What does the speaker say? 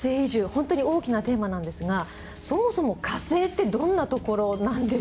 本当に大きなテーマなんですがそもそも火星ってどんな所なんですかね？